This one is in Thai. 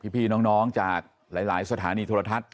พี่น้องจากหลายสถานีโทรทัศน์